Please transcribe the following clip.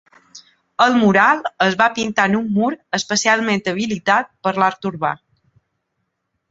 El mural es va pintar en un mur especialment habilitat per l’art urbà.